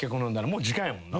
もう時間やもんな。